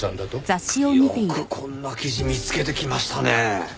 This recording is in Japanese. よくこんな記事見つけてきましたねえ。